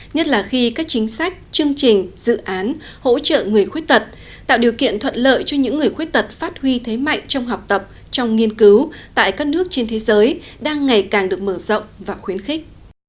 nhất là khi các chính sách chương trình dự án hỗ trợ người khuyết tật tạo điều kiện thuận lợi cho những người khuyết tật phát huy thế mạnh trong học tập trong nghiên cứu tại các nước trên thế giới đang ngày càng được mở rộng và khuyến khích